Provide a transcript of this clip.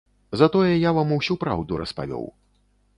Затое я вам усю праўду распавёў.